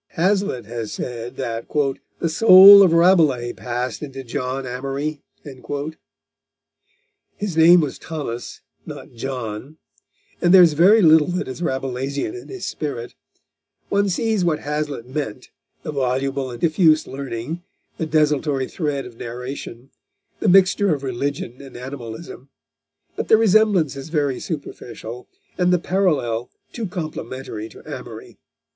Hazlitt has said that "the soul of Rabelais passed into John Amory." His name was Thomas, not John, and there is very little that is Rabelaisian in his spirit. One sees what Hazlitt meant the voluble and diffuse learning, the desultory thread of narration, the mixture of religion and animalism. But the resemblance is very superficial, and the parallel too complimentary to Amory.